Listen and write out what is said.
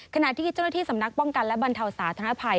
ขณะที่เจ้าหน้าที่สำนักป้องกันและบรรเทาสาธารณภัย